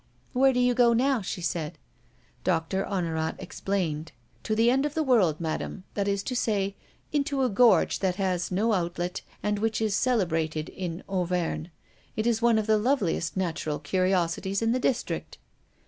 "Where do you go now?" she said. Doctor Honorat replied: "To the End of the World, Madame; that is to say, into a gorge that has no outlet and which is celebrated in Auvergne. It is one of the loveliest natural curiosities in the district."